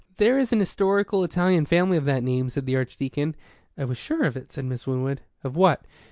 "There is an historical Italian family of that name," said the Archdeacon. "I was sure of it," said Miss Winwood. "Of what?"